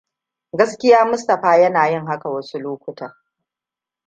Gaskiya Mustapha yana yin haka wasu lokutan.